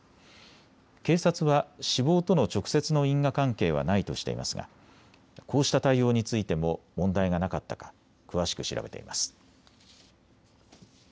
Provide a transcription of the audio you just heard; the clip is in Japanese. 警察は死亡との直接の因果関係はないとしていますがこうした対応についても問題がなかったか詳しく調べています。